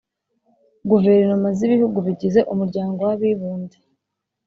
Guverinoma z Ibihugu bigize Umuryango wabibumbye